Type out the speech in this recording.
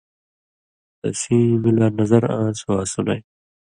تسِیں می لا نظر آن٘س واسُلَیں